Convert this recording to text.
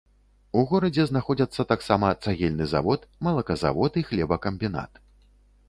У горадзе знаходзяцца таксама цагельны завод, малаказавод і хлебакамбінат.